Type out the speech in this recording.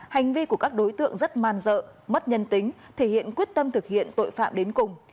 hành vi của các đối tượng rất man dợ mất nhân tính thể hiện quyết tâm thực hiện tội phạm đến cùng